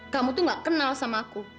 kamu tuh gak kenal sama aku